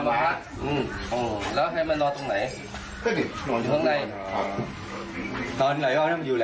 ประมาณ๓๔วันอีกเลย